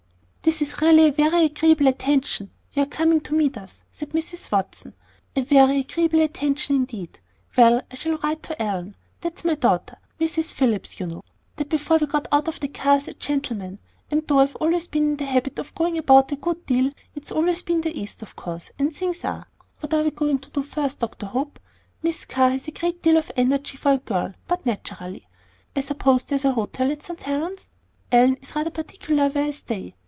"This is really a very agreeable attention, your coming to meet us," said Mrs. Watson; "a very agreeable attention indeed. Well, I shall write Ellen that's my daughter, Mrs. Phillips, you know that before we had got out of the cars, a gentleman And though I've always been in the habit of going about a good deal, it's always been in the East, of course, and things are What are we going to do first, Dr. Hope? Miss Carr has a great deal of energy for a girl, but naturally I suppose there's an hotel at St. Helen's. Ellen is rather particular where I stay.